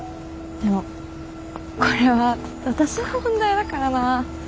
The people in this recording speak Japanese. でもこれは私の問題だからな。